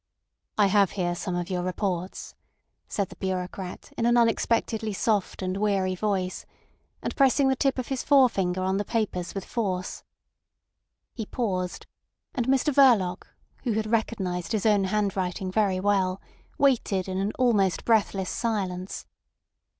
"I have here some of your reports," said the bureaucrat in an unexpectedly soft and weary voice, and pressing the tip of his forefinger on the papers with force. He paused; and Mr Verloc, who had recognised his own handwriting very well, waited in an almost breathless silence.